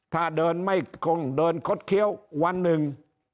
ถ้าเดินไม่คงเดินคดเคี้ยววันหนึ่ง